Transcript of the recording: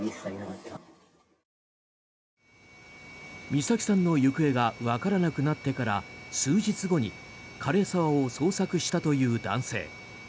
美咲さんの行方がわからなくなってから数日後に枯れ沢を捜索したという男性。